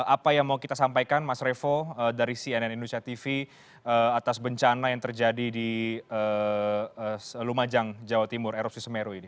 apa yang mau kita sampaikan mas revo dari cnn indonesia tv atas bencana yang terjadi di lumajang jawa timur erupsi semeru ini